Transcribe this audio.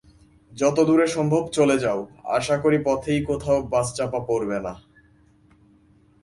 যত দূরে সম্ভব চলে যাও, আশা করি পথেই কোথাও বাস চাপা পড়বে না।